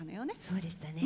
そうでしたね。